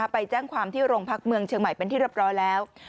ไปแจ้งความที่โรงพักเมืองเชียงใหม่เป็นที่เรียบร้อยแล้ว